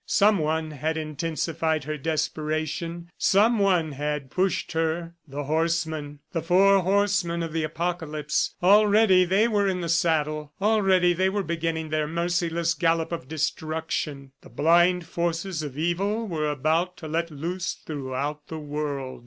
Someone had intensified her desperation, someone had pushed her. ... The horsemen! The four horsemen of the Apocalypse! ... Already they were in the saddle! Already they were beginning their merciless gallop of destruction! The blind forces of evil were about to be let loose throughout the world.